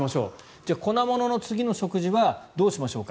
じゃあ、粉物の次の食事はどうしましょうか。